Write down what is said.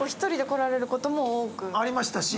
ありましたし。